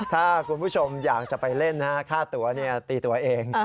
ถ้าคุณผู้ชมอยากจะไปเล่นค่าตัวตีตัวเอง